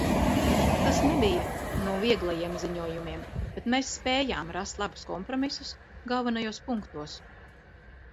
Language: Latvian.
Tas nebija no vieglajiem ziņojumiem, bet mēs spējām rast labus kompromisus galvenajos punktos.